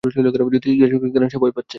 যদি জিজ্ঞেস করে কেন সে ভয় পাচ্ছে?